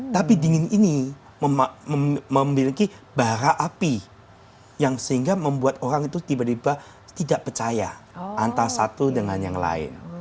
tapi dingin ini memiliki bara api yang sehingga membuat orang itu tiba tiba tidak percaya antara satu dengan yang lain